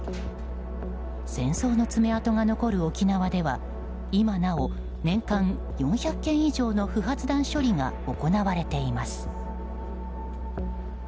戦争の爪痕が残る沖縄では今なお年間４００件以上の不発弾処理が行われています。